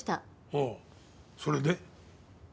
ああそれで？